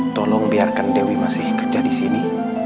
tolong biarkan dewi masih kerja disini